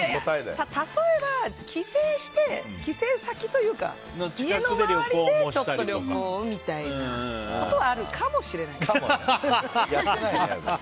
例えば、帰省して帰省先というか家の周りでちょっと旅行をみたいなことはあるかもしれない。